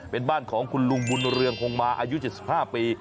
เป็นบ้านของคุณลุงบุญเรืองคงมาอายุ๗๕ปี